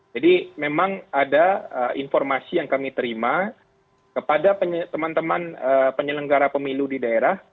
jadi memang ada informasi yang kami terima kepada teman teman penyelenggara pemilu di daerah